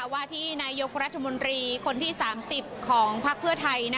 ว่าที่นายกรัฐมนตรีคนที่๓๐ของพักเพื่อไทย